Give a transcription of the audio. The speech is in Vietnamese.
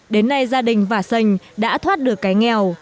đến nay gia đình vả sành đã thoát được cái nghèo